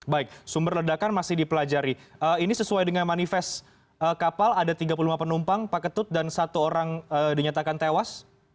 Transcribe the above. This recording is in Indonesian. baik sumber ledakan masih dipelajari ini sesuai dengan manifest kapal ada tiga puluh lima penumpang pak ketut dan satu orang dinyatakan tewas